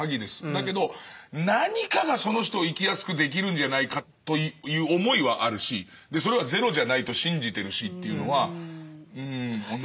だけど何かがその人を生きやすくできるんじゃないかという思いはあるしそれはゼロじゃないと信じてるしというのは同じかな？